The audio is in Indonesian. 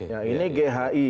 yang ini ghi